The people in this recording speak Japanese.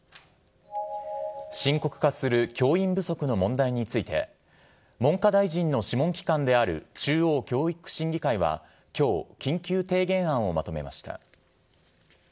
深刻化する教員不足の問題について、文科大臣の諮問機関である中央教育審議会はきょう緊急提言案をまとめました。